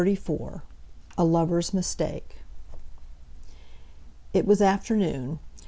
A LOVER'S MISTAKE. It was afternoon.